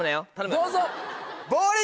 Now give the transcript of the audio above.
どうぞ。